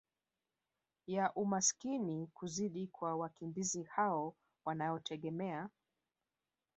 ya umaskini kuzidi kwa wakimbizi hao wanaotegemea